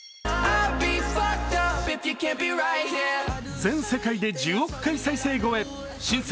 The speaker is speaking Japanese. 全世界で１０億回再生